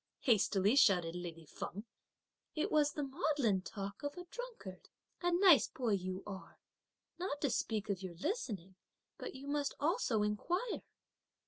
hastily shouted lady Feng; "it was the maudlin talk of a drunkard! A nice boy you are! not to speak of your listening, but you must also inquire!